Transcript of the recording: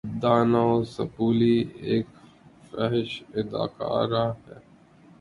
دانا وسپولی ایک فحش اداکارہ ہے